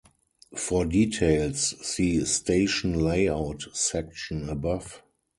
For details, see "Station layout" section above.